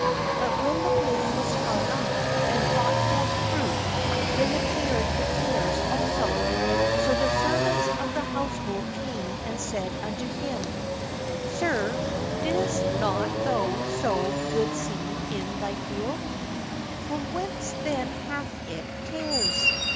But when the blade was sprung up, and brought forth fruit, then appeared the tares also. So the servants of the household came and said unto him : Sir, didst not thou sow pp m 1,1 THE KINGDOM OF HEAVEN From whence then hath it tares?"